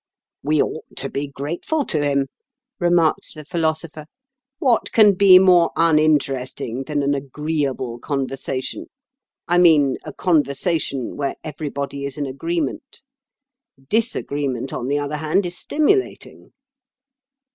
'" "We ought to be grateful to him," remarked the Philosopher. "What can be more uninteresting than an agreeable conversation I mean, a conversation—where everybody is in agreement? Disagreement, on the other hand, is stimulating."